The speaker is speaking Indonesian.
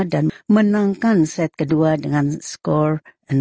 dan menangkan set kedua dengan skor enam tiga